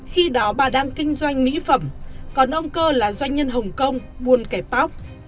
khi đó bà đang kinh doanh mỹ phẩm còn ông cơ là doanh nhân hồng kông buôn kẹp tóc